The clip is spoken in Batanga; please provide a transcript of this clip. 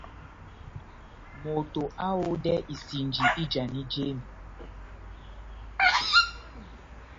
Moto aháyodɛ isinji ijanidi jémi.